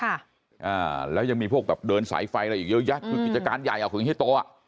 อ่าแล้วยังมีพวกแบบเดินสายไฟอะไรอีกเยอะแยะคือกิจการใหญ่อ่ะคือเฮียโตอ่ะ